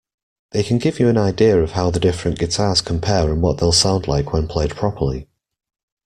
They can give you an idea of how the different guitars compare and what they'll sound like when played properly.